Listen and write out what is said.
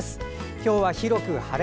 今日は広く晴れ。